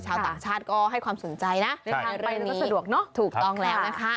ชาวต่างชาติก็ให้ความสนใจนะในเรื่องนี้ถูกต้องแล้วนะคะ